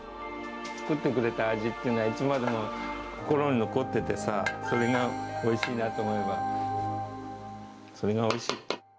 作ってくれた味っていうのは、いつまでも心に残っててさ、それがおいしいなと思います、それがおいしい。